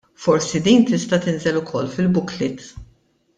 Forsi din tista' tinżel ukoll fil-booklet.